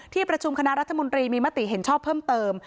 ที่ประชุมคณะรัฐมนตรีมีมติเห็นชอบเพิ่มเติม